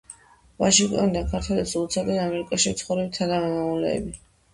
ვაშინგტონიდან ქართველებს ულოცავენ ამერიკაში მცხოვრები თანამემამულეები.